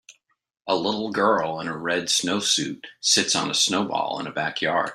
A little girl in a red snowsuit sits on a snowball in a backyard.